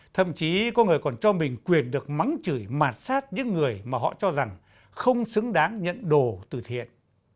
thậm chí có người còn cho mình quyền được mắng chửi mạt sát những người mà họ cho rằng không xứng đáng nhận đồ từ thiện